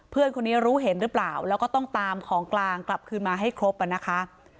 เพื่อนคนนี้รู้เห็นหรือเปล่าแล้วก็ต้องตามของกลางกลับคืนมาให้ครบอ่ะนะคะ